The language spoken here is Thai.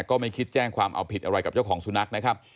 ก็ไม่คิดแจ้งความเอาผิดอะไรกับเจ้าของสุนัขนะครับ